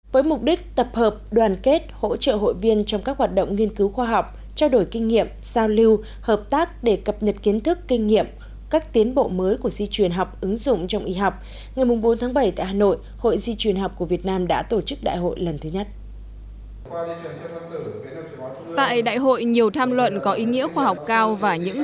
với mục đích tập hợp đoàn kết hỗ trợ hội viên trong các hoạt động nghiên cứu khoa học trao đổi kinh nghiệm giao lưu hợp tác để cập nhật kiến thức kinh nghiệm các tiến bộ mới của di truyền học ứng dụng trong y học ngày bốn tháng bảy tại hà nội hội di truyền học của việt nam đã tổ chức đại hội lần thứ nhất